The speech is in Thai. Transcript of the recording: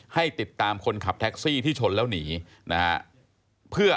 ให้ติดตามคนขับแท็กซี่ที่ชนแล้วหนีเพื่อเอามาดำเนินคดี